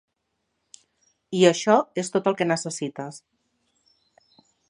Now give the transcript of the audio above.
I això és tot el que necessites.